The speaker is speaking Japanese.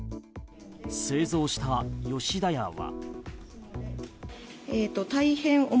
製造した吉田屋は。